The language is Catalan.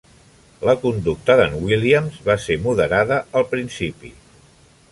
La conducta d'en William va ser moderada al principi.